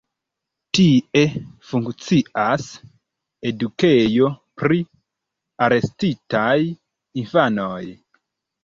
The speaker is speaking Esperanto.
Tie funkcias edukejo pri arestitaj infanoj.